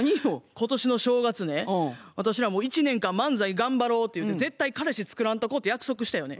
今年の正月ね私ら一年間漫才頑張ろうってゆうて絶対彼氏つくらんとこって約束したよね。